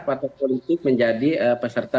partai politik menjadi peserta